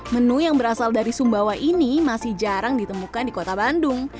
menu yang berasal dari sumbawa ini masih jarang ditemukan di kota bandung